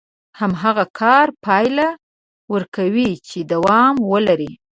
هماغه کار پايله ورکوي چې دوام ولري.